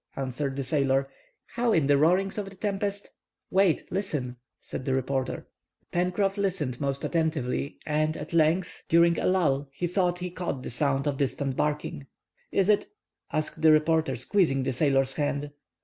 answered the sailor. "How, in the roarings of the tempest—" "Wait—listen," said the reporter. Pencroff listened most attentively, and at length, during a lull, he thought he caught the sound of distant barking. "Is it?" asked the reporter, squeezing the sailor's hand.